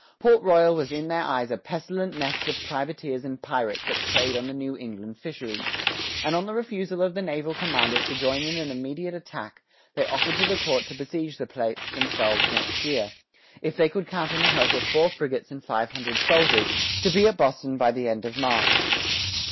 Port Royal was in their eyes a pestilent nest of privateers and pirates that preyed on the New England fisheries; and on the refusal of the naval commanders to join in an immediate attack, they offered to the court to besiege the place themselves next year, if they could count on the help of four frigates and five hundred soldiers, to be at Boston by the end of March.